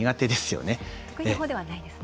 得意な方ではないですね。